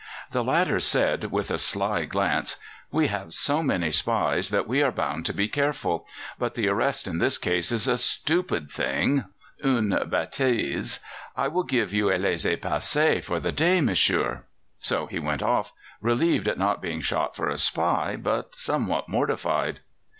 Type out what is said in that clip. The latter said, with a sly glance: "We have so many spies that we are bound to be careful, but the arrest in this case is a stupid thing (une bêtise). I will give you a laissez passer for the day, monsieur." So he went off, relieved at not being shot for a spy, but somewhat mortified.